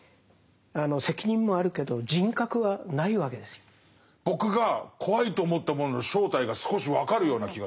そこには僕が怖いと思ったものの正体が少し分かるような気がする。